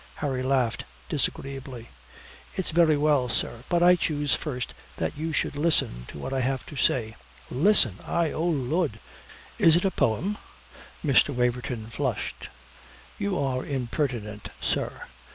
Harry laughed disagreeably. "It's very well, sir. But I choose first that you should listen to what I have to say." "Listen I Oh Lud, is it a poem?" Mr. Waverton flushed. "You are impertinent, sir.